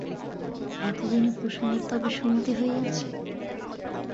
এতদিনে কুসুমের তবে সুমতি হইয়াছে?